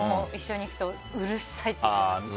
一緒に行くとうるさいって言われます。